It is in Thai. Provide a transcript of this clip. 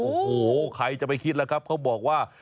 โอ้โหใครจะไปคิดล่ะครับเขาบอกว่า